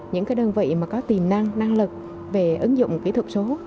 những đơn vị có tiềm năng năng lực về ứng dụng kỹ thuật số